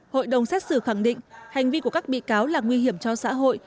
hội đồng xét xử khẳng định hành vi của các bị cáo là nguy hiểm cho xã hội